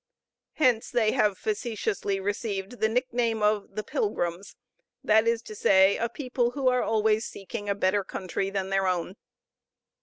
Hence they have facetiously received the nickname of "The Pilgrims," that is to say, a people who are always seeking a better country than their own.